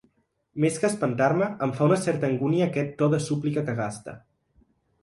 Més que espantar-me, em fa una certa angúnia aquest to de súplica que gasta.